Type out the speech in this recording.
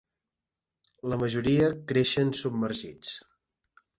La majoria creixen submergits.